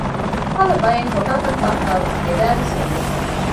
އެކަހަލަ ބައެއް ހޮޓާ ތަކުގައި މިހާރު ދެބައި ވެސް އޮވެ